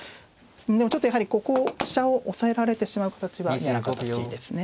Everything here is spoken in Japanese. でもちょっとやはりここを飛車を押さえられてしまう形は嫌な形ですね。